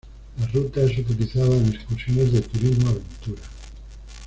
La ruta es utilizada en excursiones de turismo aventura.